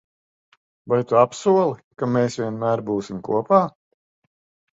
Vai tu apsoli, ka mēs vienmēr būsim kopā?